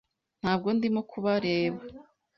Ntabwo ndimo kubareba.